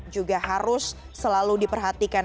juga harus selalu diperhatikan